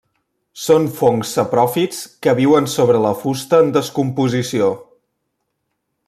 Són fongs sapròfits que viuen sobre la fusta en descomposició.